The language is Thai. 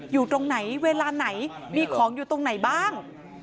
อยู่ตรงไหนเวลาไหนมีของอยู่ตรงไหนบ้าง